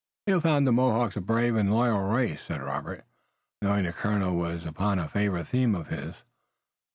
"You have found the Mohawks a brave and loyal race," said Robert, knowing the colonel was upon a favorite theme of his.